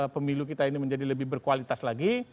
pemilu kita ini menjadi lebih berkualitas lagi